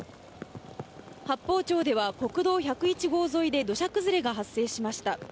八峰町では国道１０１号沿いで土砂崩れが発生しました。